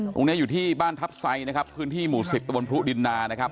ตรงนี้อยู่ที่บ้านทัพไซค์นะครับพื้นที่หมู่๑๐ตะวนพรุ่ดินานะครับ